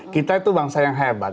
kita itu bangsa yang hebat